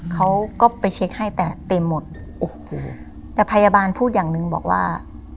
เขาก็ไปเช็คให้แต่เต็มหมดโอ้โหแต่พยาบาลพูดอย่างหนึ่งบอกว่า